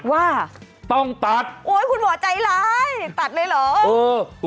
ว่าต้องตัดโอ้ยคุณหมอใจร้ายตัดเลยเหรอเออ